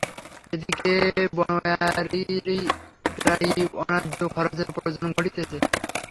এ দিকে বনোয়ারিরই প্রায়ই অন্যায্য খরচের প্রয়োজন ঘটিতেছে।